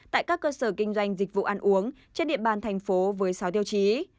tại các cơ sở kinh doanh dịch vụ ăn uống trên địa bàn thành phố với sáu tiêu chí